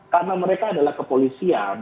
karena mereka adalah kepolisian